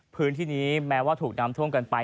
พื้นที่นี้แม้ว่าถูกน้ำท่วมกันไป